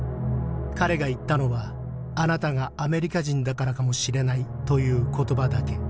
彼が言ったのは『あなたがアメリカ人だからかもしれない』という言葉だけ。